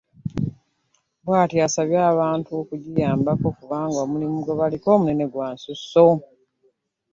Bwatyo asabye abantu okugiyambako kubanga omulimu gwe baliko munene bya nsusso.